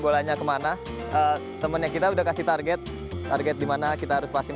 bolanya kemana temennya kita udah kasih target target dimana kita harus pasin